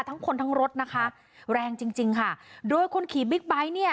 ทั้งคนทั้งรถนะคะแรงจริงจริงค่ะโดยคนขี่บิ๊กไบท์เนี่ย